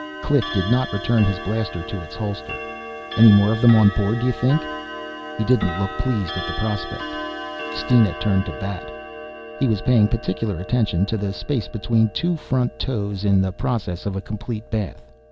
Cliff did not return his blaster to its holder. "Any more of them on board, d'you think?" He didn't look pleased at the prospect. Steena turned to Bat. He was paying particular attention to the space between two front toes in the process of a complete bath.